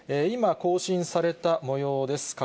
今、更新されたもようです。